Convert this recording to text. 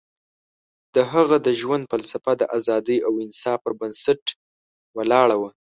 د هغه د ژوند فلسفه د ازادۍ او انصاف پر بنسټ ولاړه وه.